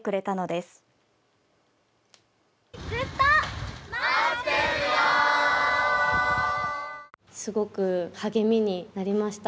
すごく励みになりました。